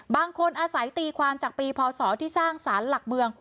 บางคนอาศัยตีความจากปีพศที่สร้างสารหลักเมือง